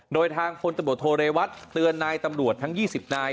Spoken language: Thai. โดยทางพลตำรวจโทเรวัตเตือนนายตำรวจทั้ง๒๐นาย